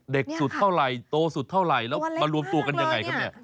สุดเท่าไหร่โตสุดเท่าไหร่แล้วมารวมตัวกันยังไงครับเนี่ย